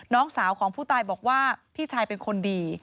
น้องสาวของผู้ตายบอกว่าพี่ชายเป็นคนดี